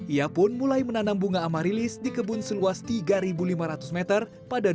ia pun mulai menanam bunga amarilis di kebun seluas tiga lima ratus meter pada dua ribu dua